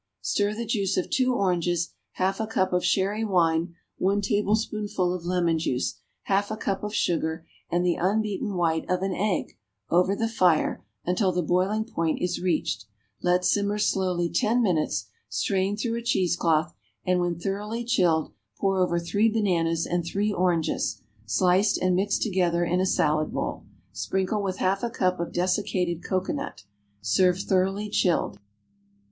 _) Stir the juice of two oranges, half a cup of sherry wine, one tablespoonful of lemon juice, half a cup of sugar and the unbeaten white of an egg, over the fire, until the boiling point is reached; let simmer slowly ten minutes, strain through a cheese cloth, and, when thoroughly chilled, pour over three bananas and three oranges, sliced and mixed together in a salad bowl. Sprinkle with half a cup of dessicated cocoanut. Serve thoroughly chilled.